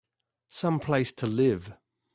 Some place to live!